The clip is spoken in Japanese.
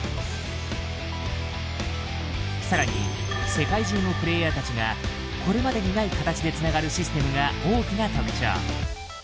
更に世界中のプレイヤーたちがこれまでにない形でつながるシステムが大きな特徴。